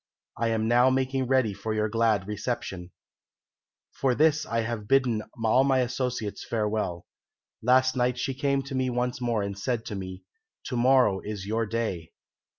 I am now making ready for your glad reception.' "For this reason I have bidden all my associates farewell. Last night she came once more and said to me, 'To morrow is your day.'